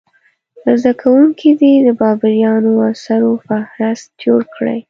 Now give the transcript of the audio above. زده کوونکي دې د بابریانو اثارو فهرست جوړ کړي.